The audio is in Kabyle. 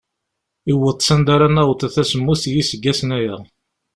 Yewweḍ s anda ara naweḍ ata semmus n yiseggasen aya.